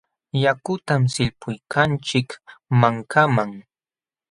Yakutam sillpuykanchik mankaman.